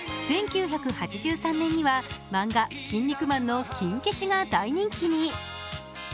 １９８３年には漫画「キン肉マン」のキン消しが大人気に。